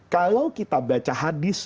kalau kita baca hadis